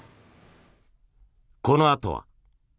このあとは。